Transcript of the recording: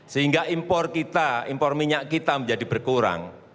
sehingga impor kita impor minyak kita menjadi berkurang